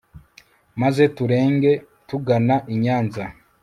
maze turenge tugana i nyanza